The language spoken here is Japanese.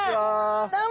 どうも！